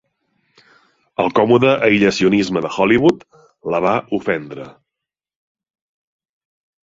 El còmode aïllacionisme de Hollywood la va ofendre.